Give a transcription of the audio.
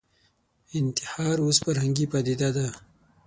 انتحار اوس فرهنګي پدیده ده